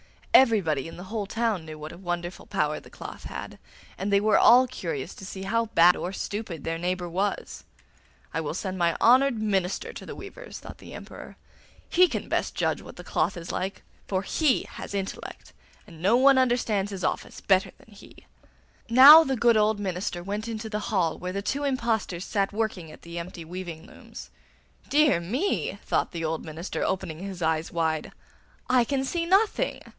Everybody in the whole town knew what a wonderful power the cloth had, and they were all curious to see how bad or how stupid their neighbour was. 'I will send my old and honoured minister to the weavers,' thought the Emperor. 'He can judge best what the cloth is like, for he has intellect, and no one understands his office better than he.' Now the good old minister went into the hall where the two impostors sat working at the empty weaving looms. 'Dear me!' thought the old minister, opening his eyes wide, 'I can see nothing!